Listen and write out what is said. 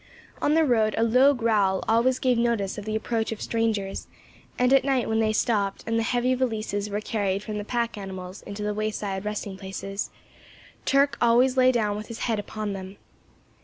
On the road a low growl always gave notice of the approach of strangers; and at night, when they stopped, and the heavy valises were carried from the pack animals into the wayside resting places, Turk always lay down with his head upon them.